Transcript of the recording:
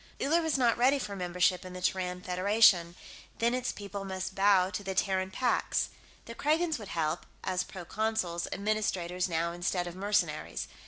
Uller was not ready for membership in the Terran Federation; then its people must bow to the Terran Pax. The Kragans would help as proconsuls, administrators, now, instead of mercenaries.